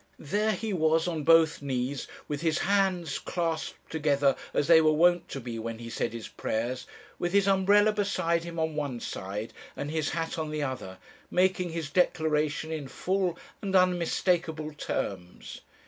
There he was on both knees, with his hands clasped together as they were wont to be when he said his prayers, with his umbrella beside him on one side, and his hat on the other, making his declaration in full and unmistakable terms.